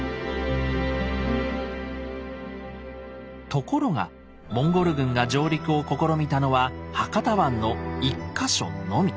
ところがモンゴル軍が上陸を試みたのは博多湾の１か所のみ。